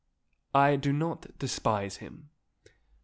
"I do not despise him."